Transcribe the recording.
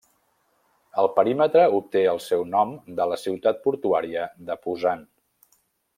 El perímetre obté el seu nom de la ciutat portuària de Pusan.